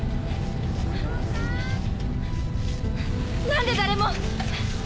何で誰も！